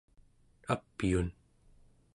apyun